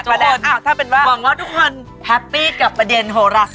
หวังว่าทุกคนแฮปปี้กับประเด็นโฮรัส